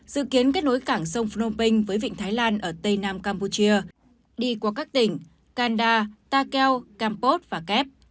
dự kiến kết nối cảng sông phunanteco với vịnh thái lan ở tây nam campuchia đi qua các tỉnh kanda takeo kampot và kép